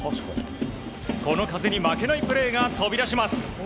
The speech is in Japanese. この風に負けないプレーが飛び出します。